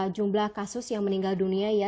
jumlah kasus yang meninggal dunia ya